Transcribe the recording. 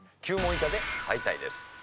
９問以下で敗退です。